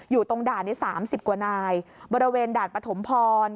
อยู่ตรงด่านนี้๓๐กว่านายบริเวณด่านปฐมพร